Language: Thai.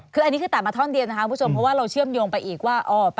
คืออันนี้คือตัดมาท่อนเดียวนะคะคุณผู้ชมเพราะว่าเราเชื่อมโยงไปอีกว่า